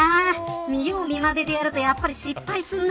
見よう見まねでやるとやっぱり失敗するな。